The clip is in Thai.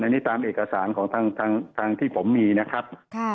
อันนี้ตามเอกสารของทางที่ผมมีนะครับ